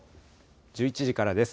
１１時からです。